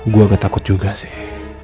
gue agak takut juga sih